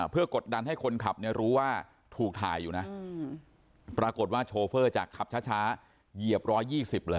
เพื่อกดดันให้คนขับเนี่ยรู้ว่าถูกถ่ายอยู่นะปรากฏว่าโชเฟอร์จากขับช้าเหยียบ๑๒๐เลย